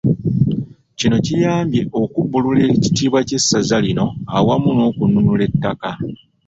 Kino kiyambye okubbulula ekitiibwa ky'essaza lino awamu n'okununula ettaka .